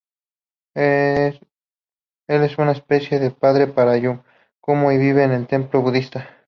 Él es una especie de padre para Yakumo y vive en un templo budista.